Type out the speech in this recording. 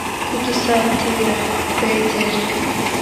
kudusatira: kutwegera